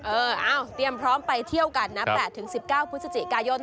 เออเตรียมพร้อมไปเที่ยวกันนะ๘๑๙พฤศจิกายน